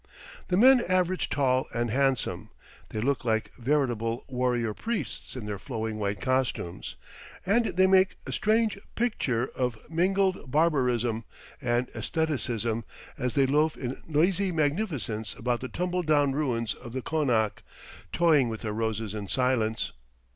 The men average tall and handsome; they look like veritable warrior priests in their flowing white costumes, and they make a strange picture of mingled barbarism and aestheticism as they loaf in lazy magnificence about the tumble down ruins of the konak, toying with their roses in silence.